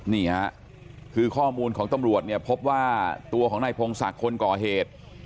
นี่ค่ะคือข้อมูลของตำรวจเนี่ยพบว่าตัวของนายพงศักดิ์คนก่อเหตุ